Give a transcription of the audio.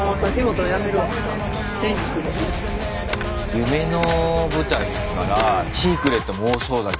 夢の舞台ですからシークレットも多そうだけど。